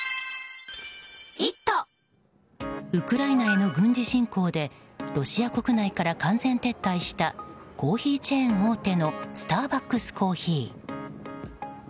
ウクライナへの軍事侵攻でロシア国内から完全撤退したコーヒーチェーン大手のスターバックスコーヒー。